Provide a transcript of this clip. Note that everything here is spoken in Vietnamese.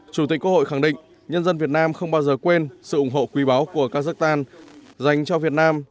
chủ tịch quốc hội khẳng định nhân dân việt nam không bao giờ quên sự ủng hộ quý báu của kazakhstan dành cho việt nam